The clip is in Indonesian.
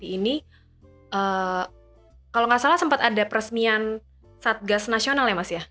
jadi kalau nggak salah sempat ada peresmian satgas nasional ya mas ya